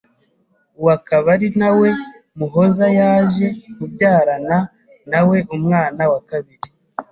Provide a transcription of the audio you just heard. uwo akaba ari nawe Muhoza yaje kubyarana nawe umwana wa kabiri.